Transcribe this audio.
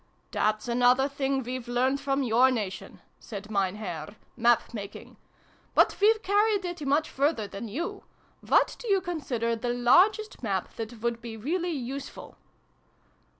" That's another thing we've learned from your Nation," said Mein Herr, " map making. But we've carried it much further than you. What do you consider the largest map that would be really useful